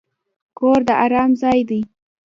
کور د ارام ځای دی.